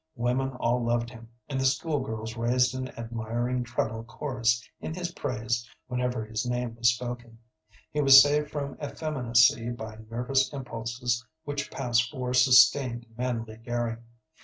Women all loved him, and the school girls raised an admiring treble chorus in his praise whenever his name was spoken. He was saved from effeminacy by nervous impulses which passed for sustained manly daring.